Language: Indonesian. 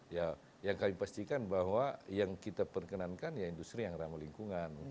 ya yang kami pastikan bahwa yang kita perkenankan ya industri yang ramah lingkungan